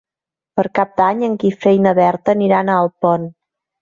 Per Cap d'Any en Guifré i na Berta aniran a Alpont.